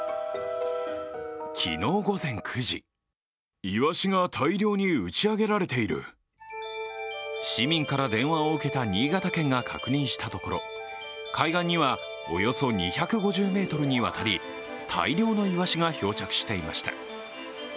昨日午前９時市民から電話を受けた新潟県が確認したところ、海岸にはおよそ２５０ｍにわたり大量のいわしが漂着していました。